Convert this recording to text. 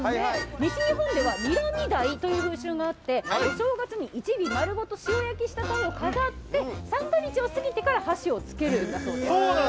西日本ではにらみ鯛という風習があってお正月に１尾丸ごと塩焼きした鯛を飾って三が日を過ぎてから箸をつけるそうです。